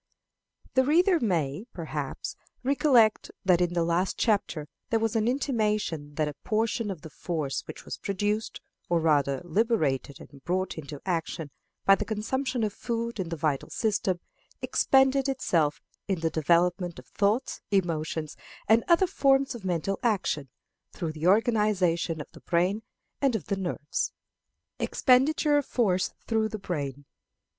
The reader may, perhaps, recollect that in the last chapter there was an intimation that a portion of the force which was produced, or rather liberated and brought into action, by the consumption of food in the vital system, expended itself in the development of thoughts, emotions, and other forms of mental action, through the organization of the brain and of the nerves. _Expenditure of Force through the Brain.